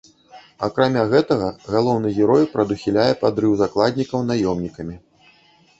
Акрамя гэтага, галоўны герой прадухіляе падрыў закладнікаў наёмнікамі.